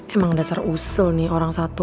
emang dasar usul nih orang satu